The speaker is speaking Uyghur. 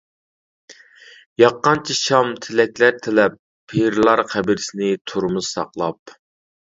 ياققانچە شام تىلەكلەر تىلەپ پىرلار قەبرىسىنى تۇرىمىز ساقلاپ.